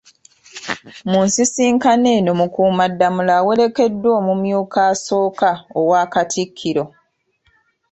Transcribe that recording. Mu nsisinkano eno Mukuumaddamula awerekeddwa omumyuka asooka owa Katikkiro